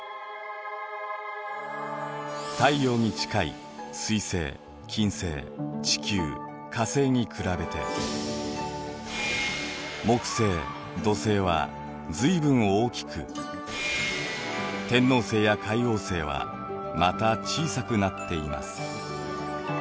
太陽に近い水星金星地球火星に比べて木星土星は随分大きく天王星や海王星はまた小さくなっています。